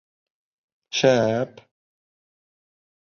Шә-ә-п-п!